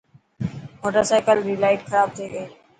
موٽرسائيڪل ري لائٽ خراب ٿي گئي.